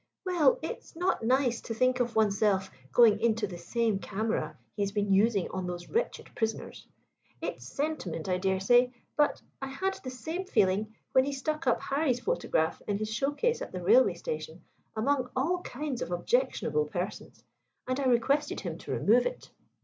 "Well, it's not nice to think of oneself going into the same camera he has been using on those wretched prisoners. It's sentiment, I daresay; but I had the same feeling when he stuck up Harry's photograph in his showcase at the railway station, among all kinds of objectionable persons, and I requested him to remove it."